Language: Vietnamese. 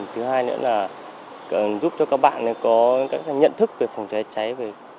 thứ hai nữa là giúp cho các bạn có các nhận thức về phòng cháy cháy